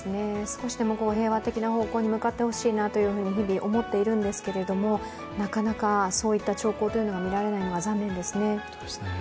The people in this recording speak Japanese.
少しでも平和的な方向に向かってほしいなと日々思っているんですけれどもなかなかそういった兆候というのが見られないのが、残念ですね。